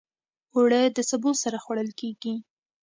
اوړه د سبو سره خوړل کېږي